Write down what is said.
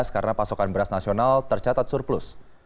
karena pasokan beras nasional tercatat surplus